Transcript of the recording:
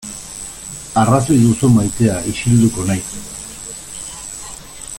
Arrazoi duzu maitea, isilduko naiz.